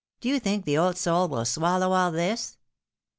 Do you think the old soulvrill swallow all this